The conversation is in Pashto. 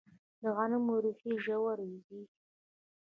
د غنمو ریښې ژورې ځي.